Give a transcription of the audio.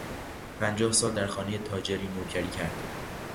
پنجاه سال در خانهی تاجری نوکری کرد.